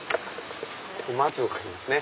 松を描きますね。